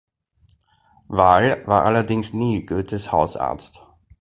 Wahl war allerdings nie Goethes Hausarzt.